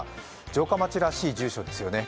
城下町らしい住所ですよね